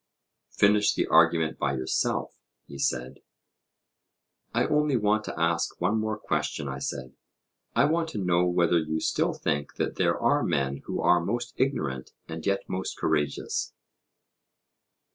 Finish the argument by yourself, he said. I only want to ask one more question, I said. I want to know whether you still think that there are men who are most ignorant and yet most courageous?